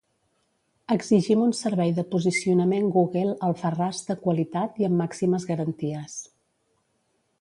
Exigim un servei de posicionament Google Alfarràs de qualitat i amb màximes garanties.